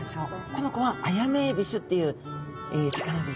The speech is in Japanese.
この子はアヤメエビスっていう魚ですね。